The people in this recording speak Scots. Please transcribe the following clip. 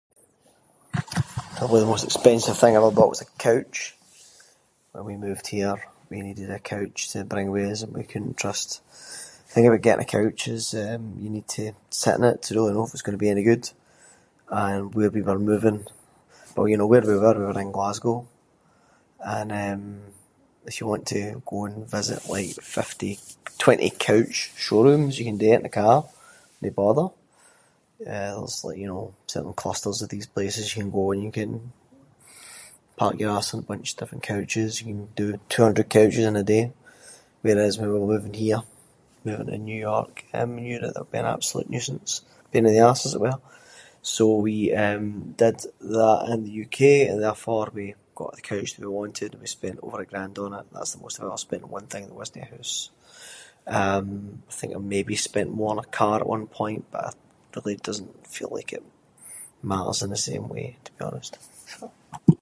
Probably the most expensive thing I ever bought was a couch. When we moved here, we needed a couch to bring with us, and we couldn’t trust- the thing with getting a couch is that you need to sit in it to really know if it’s going to be any good. And where we were moving- well you know where we were, we were in Glasgow, and eh if you want to go and visit like fifty- twenty couch showrooms you can do it in the car, no bother. Eh there’s like you know, certain clusters of these places you can go, and you can park your arse on a bunch of different couches, you can do two hundred couches in a day. Whereas when we were moving here- moving to New York, we knew that it’d be an absolute nuisance, a pain in the arse as it were. So, we eh, did that in the UK, and therefore we got a couch that we wanted, we spent over a grand on it, and that’s the most I ever spent on one thing that wasnae a hoose. Eh, I think I maybe spent more on a car at one point, but I- really doesn’t feel like it matters in the same way to be honest.